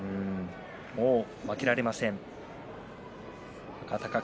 もう負けられません若隆景。